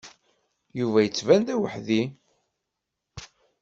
Yuba yettban d aweḥdi.